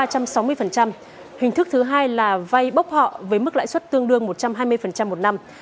hình thức thứ hai là vay bốc họ với mức lãi suất tương đương một trăm hai mươi một năm